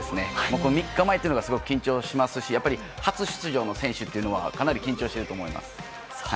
この３日前というのがすごく緊張しますしやっぱり初出場の選手はかなり緊張していると思います。